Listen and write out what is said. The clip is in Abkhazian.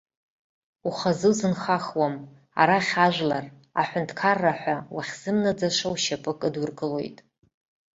Ухазы узынхахуам, арахь ажәлар, аҳәынҭқарра ҳәа, уахьзымнаӡаша ушьапы кыдургылоит.